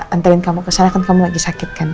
antelin kamu kesana kan kamu lagi sakit kan